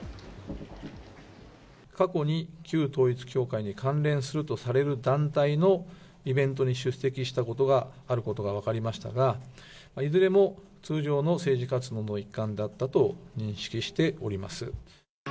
過去に旧統一教会に関連するとされる団体のイベントに出席したことがあることが分かりましたが、いずれも通常の政治活動の一環だったと認識しております。